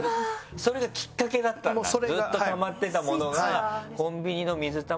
それがきっかけだったんだずっとたまってたものが。